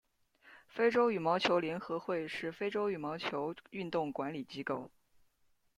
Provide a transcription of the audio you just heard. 非洲羽毛球联合会是非洲羽毛球运动管理机构。